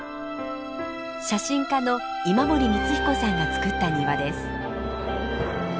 写真家の今森光彦さんがつくった庭です。